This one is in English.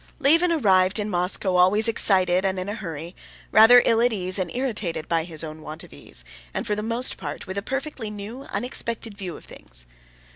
Levin arrived in Moscow always excited and in a hurry, rather ill at ease and irritated by his own want of ease, and for the most part with a perfectly new, unexpected view of things.